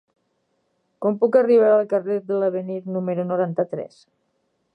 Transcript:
Com puc arribar al carrer de l'Avenir número noranta-tres?